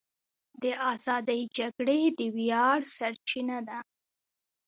د ازادۍ جګړې د ویاړ سرچینه ده.